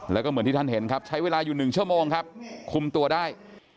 แล้วก็เหมือนที่ท่านเห็นครับใช้เวลาอยู่๑ชั่วโมงครับคุมตัวได้